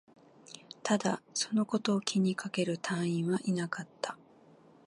ただ、そのことを気にかける隊員はいなかった